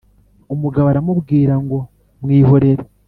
umugabo aramubwira ngo : "mwihorere